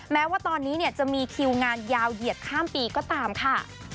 แม้ว่าตอนนี้จะมีคิวงานยาวเหยียดข้ามปีก็ตามค่ะ